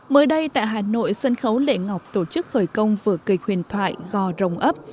mới đây tại hà nội sân khấu lệ ngọc tổ chức khởi công vở kịch huyền thoại gò rồng ấp